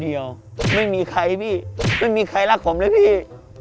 เดียวไม่มีใครพี่ไม่มีใครรักผมเลยพี่